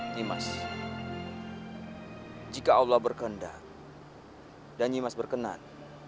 nimas jika allah berkenan dan nimas berkenan